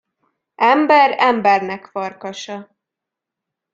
Ember embernek farkasa.